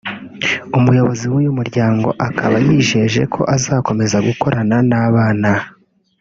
umuyobozi w’uyu muryango akaba yijeje ko uzakomeza gukorana n’abana